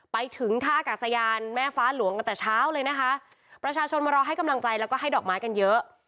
ไปถึงท่าอากาศยานแม่ฟ้าหลวงกันแต่เช้าเลยนะคะประชาชนมารอให้กำลังใจแล้วก็ให้ดอกไม้กันเยอะ